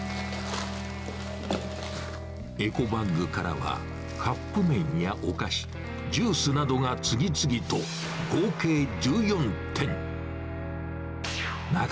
エコバッグからは、カップ麺やお菓子、ジュースなどが次々と、合計１４点。